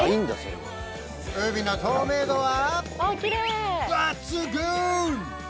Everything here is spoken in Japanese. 海の透明度は抜群！